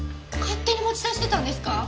勝手に持ち出してたんですか！？